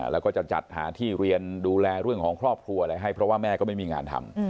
แล้วก็จะจัดหาที่เรียนดูแลเรื่องของครอบครัวอะไรให้เพราะว่าแม่ก็ไม่มีงานทำ